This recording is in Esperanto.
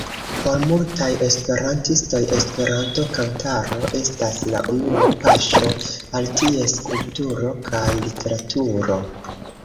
Por multaj esperantistoj Esperanto-kantaro estas la unua paŝo al ties kulturo kaj literaturo.